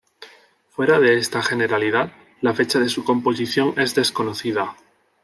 Fuera de esta generalidad, la fecha de su composición es desconocida.